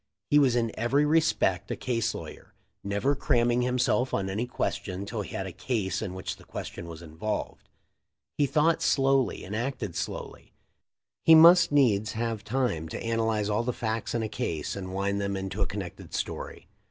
He was in every respect a case lawyer, never cramming himself on any question till he had a case in which the question was involved. He thought slowly and acted slowly; he must needs have time to analyze all the facts in a case and wind them into a connected story.